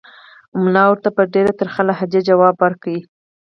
ملا ورته په ډېره ترخه لهجه ځواب ورکړ.